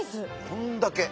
こんだけ。